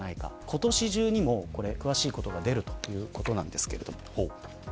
今年中にも詳しいことが出るということなんですけど。